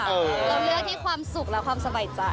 เราเลือกที่ความสุขและความสบายใจ